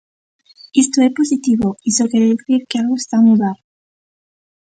Isto é positivo, iso quere dicir que algo está a mudar.